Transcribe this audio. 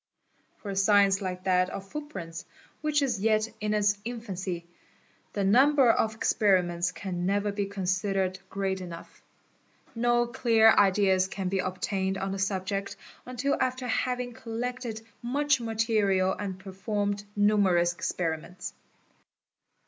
For a science like that of footprints, which is yet in its infancy, the number of experiments can never be considered great enough. No clear ideas can be obtained on the subject until after having collected much material and performed numerous experiments.